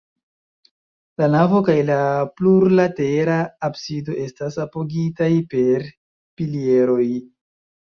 La navo kaj la plurlatera absido estas apogitaj per pilieroj.